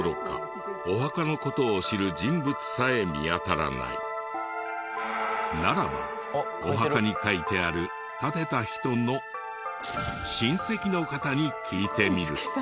詳しい話はおろかならばお墓に書いてある建てた人の親戚の方に聞いてみる。